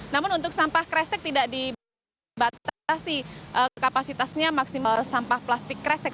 namun untuk sampah kresek tidak dibatasi kapasitasnya maksimal sampah plastik kresek